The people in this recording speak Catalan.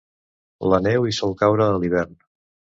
La neu hi sol caure a l'hivern.